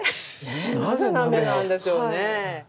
なぜ鍋なんでしょうね。